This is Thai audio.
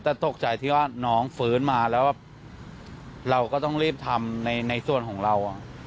แต่ตกใจที่ว่าน้องฟื้นมาแล้วแบบเราก็ต้องรีบทำในส่วนของเรา